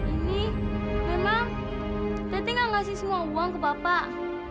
ini memang tete gak ngasih semua uang ke bapak